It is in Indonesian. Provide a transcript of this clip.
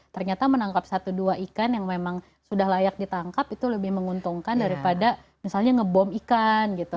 ternyata menangkap satu dua ikan yang memang sudah layak ditangkap itu lebih menguntungkan daripada misalnya ngebom ikan gitu